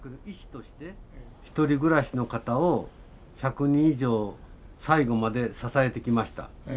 ひとり暮らしの方を１００人以上最期まで支えてきました。